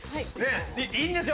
いいんですよ